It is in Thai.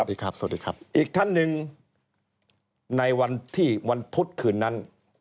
สวัสดีครับสวัสดีครับอีกท่านหนึ่งในวันที่วันพุธคืนนั้น